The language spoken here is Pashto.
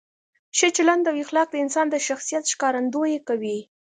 ښه چلند او اخلاق د انسان د شخصیت ښکارندویي کوي.